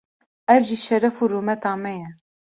ev jî şeref û rûmeta me ye.